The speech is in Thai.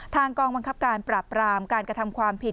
กองบังคับการปราบรามการกระทำความผิด